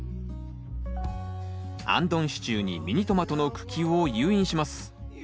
あんどん支柱にミニトマトの茎を誘引します。